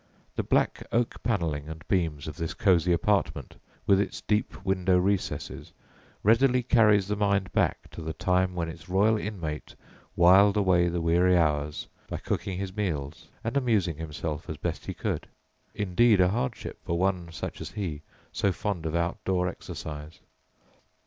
The black oak panelling and beams of this cosy apartment, with its deep window recesses, readily carries the mind back to the time when its royal inmate wiled away the weary hours by cooking his meals and amusing himself as best he could indeed a hardship for one, such as he, so fond of outdoor exercise.